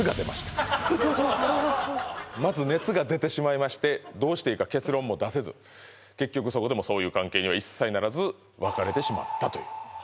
まず熱が出てしまいましてどうしていいか結論も出せず結局そこでもそういう関係には一切ならずええっ！？